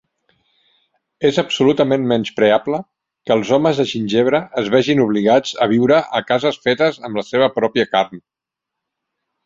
És absolutament menyspreable que els homes de gingebre es vegin obligats a viure a cases fetes amb la seva pròpia carn.